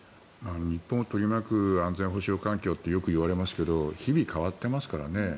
日本を取り巻く安全保障環境ってよくいわれますけど日々変わっていますからね。